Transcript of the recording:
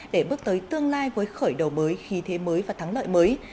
để bước tới tương lai với khởi đầu mới khí thế mới và thắng lợi mới